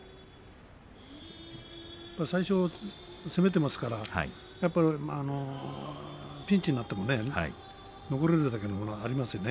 最初、攻めていますからやっぱりピンチになってもね残れるものがありますね。